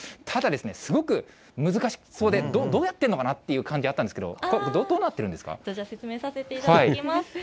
ただですね、すごく難しそうで、どうやってるのかなっていう感じあったんですけど、これ、どうなじゃあ、説明させていただきます。